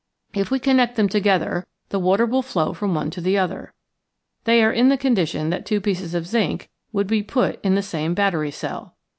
If we connect them together ^^*te*wfn flow from one to the other. They are in the "condition that two pieces of zinc would be put in the same battery cell.